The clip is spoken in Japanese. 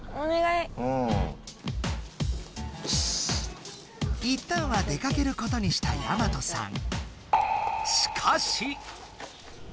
いったんは出かけることにしたやまとさん。